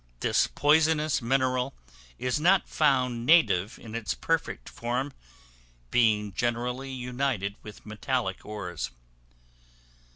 This poisonous mineral is not found native in its perfect form, being generally united with metallic ores.